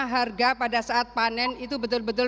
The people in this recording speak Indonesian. harga pada saat panen itu betul betul